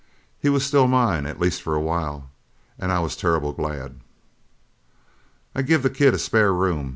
He was still mine, at least for a while, an' I was terrible glad. "I give the kid a spare room.